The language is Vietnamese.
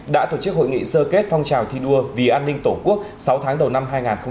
đã tổ chức hội nghị sơ kết phong trào thi đua vì an ninh tổ quốc sáu tháng đầu năm hai nghìn hai mươi bốn